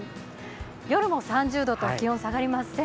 夜も３０度と気温、下がりません。